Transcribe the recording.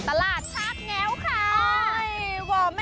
ตลาดชากแง้วค่ะ